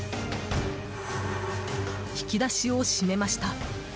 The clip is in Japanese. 引き出しを閉めました。